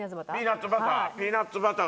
ピーナッツバター？